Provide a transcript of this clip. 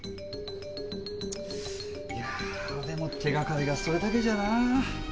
いやぁでも手がかりがそれだけじゃな。